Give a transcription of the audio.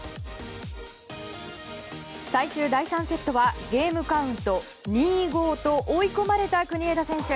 最終第３セットはゲームカウント２−５と追い込まれた国枝選手。